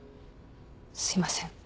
すいません。